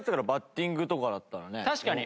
確かに。